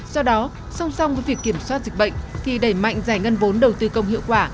do đó song song với việc kiểm soát dịch bệnh thì đẩy mạnh giải ngân vốn đầu tư công hiệu quả